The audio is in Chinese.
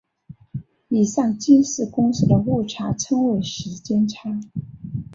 以上近似公式的误差称为时间差。